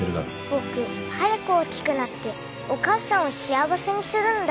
僕早く大きくなってお母さんを幸せにするんだ。